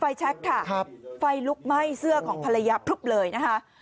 แชคค่ะครับไฟลุกไหม้เสื้อของภรรยาพลึบเลยนะคะ